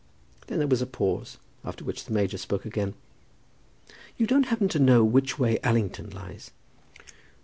Then there was a pause, after which the major spoke again. "You don't happen to know which way Allington lies?"